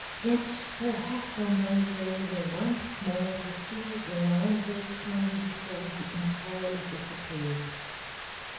Yet perhaps I may be able once more to see the round red sun before he entirely disappears.